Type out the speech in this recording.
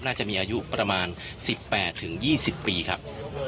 น่าจะมีอายุประมาณ๑๘๒๐ปีครับ